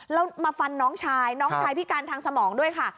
แล้วมาฟันน้องชายน้องชายพิการทางสมองด้วยค่ะ